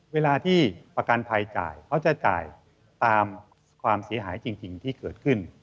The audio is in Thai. เวลาที่ประกันภัยจ่ายเขาจะจ่ายตามความเสียหายจริงที่เกิดขึ้น